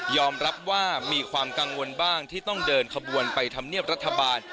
รับว่ามีความกังวลบ้างที่ต้องเดินขบวนไปทำเนียบรัฐบาล